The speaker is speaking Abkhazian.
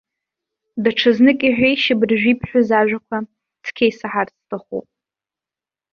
Даҽазнык иҳәеишь абыржәы ибҳәаз ажәақәа, цқьа исаҳарц сҭахуп.